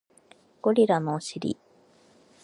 ゴリラのお尻